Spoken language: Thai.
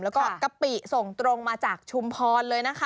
แล้วก็กะปิส่งตรงมาจากชุมพรเลยนะคะ